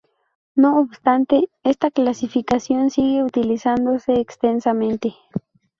No obstante, esta clasificación sigue utilizándose extensamente.